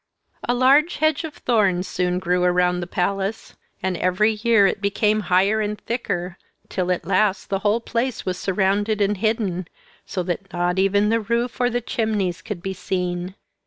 A large hedge of thorns soon grew around the palace, and every year it became higher and thicker, till at last the whole place was surrounded and hidden, so that not even the roof or the chimneys could be seen.